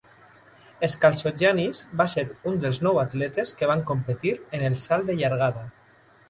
Skaltsogiannis va ser un dels nou atletes que van competir en el salt de llargada.